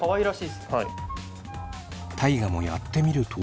すごい。大我もやってみると。